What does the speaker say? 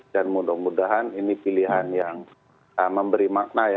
dan mudah mudahan ini pilihan yang memberi makna ya